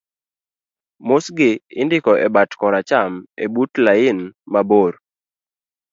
mosgi indiko e bat koracham ebut lain mabor